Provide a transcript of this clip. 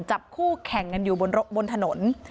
จับคู่แข่งกันอยู่บนถนน